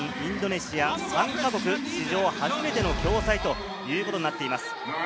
日本、フィリピン、インドネシア、３か国史上初めての共催ということになっています。